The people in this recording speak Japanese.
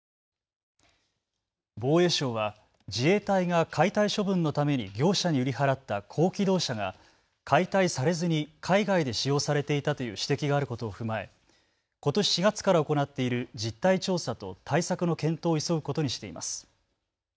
防衛省は自衛隊が解体処分のために業者に売り払った高機動車が解体されずに海外で使用されていたという指摘があることを踏まえ、ことし４月から行っている実態調査と対策の検討を急ぐことにしています。